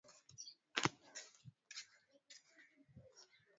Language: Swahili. kama anavyoelezea bwana mike nicholas ambae ni balozi wa miti